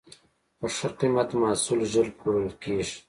په ښه قیمت محصول ژر پلورل کېږي.